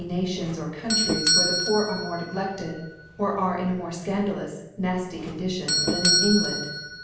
Nations or Cbuntries where the I^X)r are more ne glected, or are in a more fcandalous nafty Condition than in England.